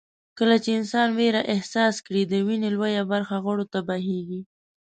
کله چې انسان وېره احساس کړي د وينې لويه برخه غړو ته بهېږي.